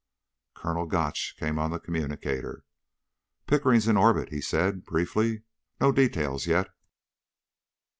Colonel Gotch came on the communicator. "Pickering's in orbit," he said briefly. "No details yet."